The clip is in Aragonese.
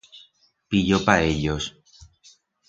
Piyor pa ellos.